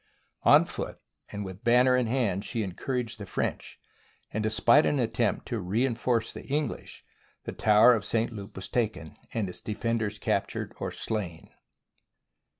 On foot and banner in hand she encouraged the French, and despite an attempt to reinforce the English, the tower of St. Loup was taken, and its defenders captured or slain.